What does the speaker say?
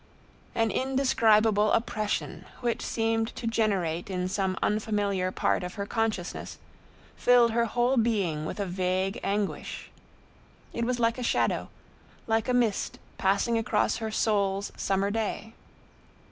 An indescribable oppression, which seemed to generate in some unfamiliar part of her consciousness, filled her whole being with a vague anguish. It was like a shadow, like a mist passing across her soul's summer day.